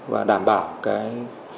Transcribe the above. và đảm bảo cái